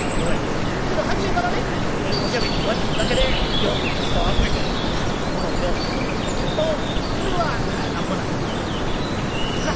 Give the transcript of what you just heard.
けど初めからねおしゃべり話術だけでぎょうさんの人を集めてぱぁっと物をぎょうさん売るかというとそれはなんぼ何でもなかなか難しゅうございますな。